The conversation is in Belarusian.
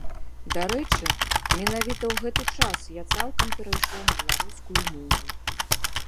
Дарэчы, менавіта ў гэты час я цалкам перайшла на беларускую мову.